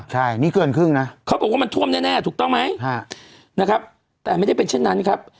ใช่นี่เกินครึ่งนะเขาบอกว่ามันท่วมแน่ถูกต้องไหมนะครับแต่ไม่ได้เป็นเช่นนั้นครับ